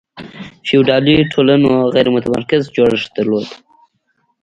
فیوډالي ټولنو غیر متمرکز جوړښت درلود.